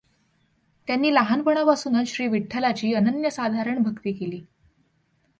त्यांनी लहानपणापासूनच श्रीविठ्ठलाची अनन्यसाधारण भक्ती केली.